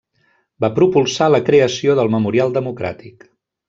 Va propulsar la creació del Memorial Democràtic.